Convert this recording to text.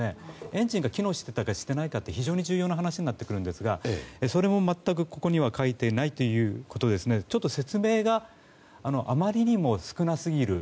エンジンが機能していたかしていないかって非常に重要な話になってくるんですがそれも全くここには書いていないということでちょっと説明があまりにも少なすぎる。